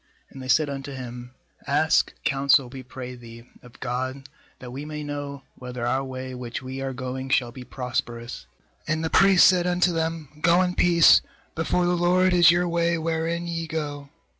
&And they said unto him: 'Ask counsel, we pray thee, of God, that we may know whether our way which we are going shall be prosperous.' 6And the priest said unto them: 'Go in peace; before the LOED is your way wherein ye go.'